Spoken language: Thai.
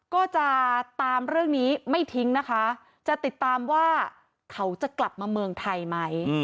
ก็จะตามเรื่องนี้ไม่ทิ้งนะคะจะติดตามว่าเขาจะกลับมาเมืองไทยไหม